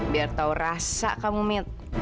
biar tahu rasa kamu mit